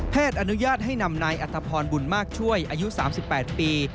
อนุญาตให้นำนายอัตภพรบุญมากช่วยอายุ๓๘ปี